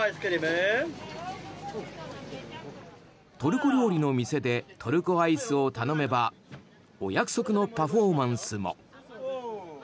トルコ料理の店でトルコアイスを頼めばお約束のパフォーマンスも。